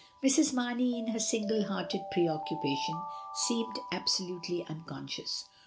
Mrs. Mamey, in her single hearted preoccupation, seemed absolutely unconscious.